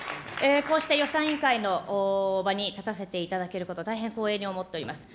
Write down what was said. こうして予算委員会の場に立たせていただけること、大変光栄に思っております。